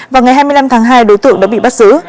vào ngày hai mươi năm tháng hai đối tượng đã bị bắt giữ